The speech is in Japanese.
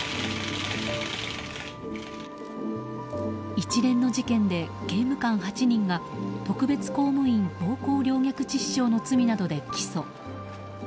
一連の事件で、刑務官８人が特別公務員暴行陵虐致死傷の罪などで起訴。